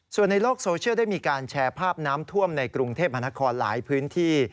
ส่วนในโลกโซเชียลได้มีการแชร์ภาพน้ำท่วมในกรุงเทพมหานครหลายพื้นที่